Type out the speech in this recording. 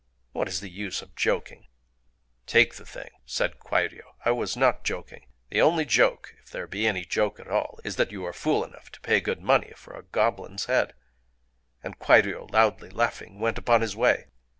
What is the use of joking?" "Take the thing," said Kwairyō. "I was not joking. The only joke—if there be any joke at all—is that you are fool enough to pay good money for a goblin's head." And Kwairyō, loudly laughing, went upon his way.